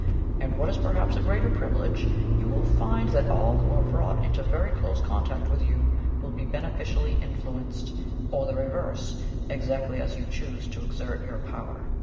And, what is perhaps a greater privilege, you will find that all who are brought into very close contact with you will be beneficially influenced, or the reverse, exactly as you choose to exert your power.